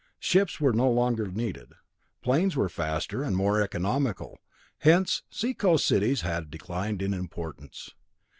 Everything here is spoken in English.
Ships were no longer needed. Planes were faster and more economical; hence seacoast cities had declined in importance.